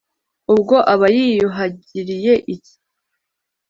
ubwo aba yiyuhagiriye iki?